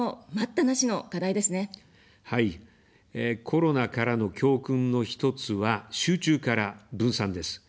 コロナからの教訓の一つは、集中から分散です。